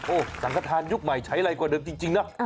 โอ้โหสังขทานยุคใหม่ใช้อะไรกว่าเดิมจริงนะ